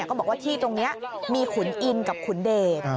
ก็บอกว่าที่ตรงนี้มีขุนอินกับขุนเดช